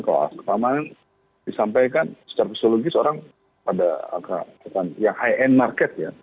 kalau alasan keamanan disampaikan secara fisiologis orang pada yang high end market ya